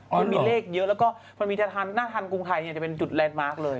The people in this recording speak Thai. มันมีเลขเยอะแล้วก็มันมีน่าทานกรุงไทยจะเป็นจุดแลนดมาร์คเลย